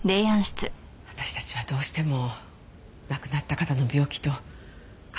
私たちはどうしても亡くなった方の病気と解剖や鑑定の結果を